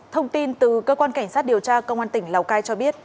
thông tin từ cơ quan cảnh sát điều tra công an tỉnh lào cai cho biết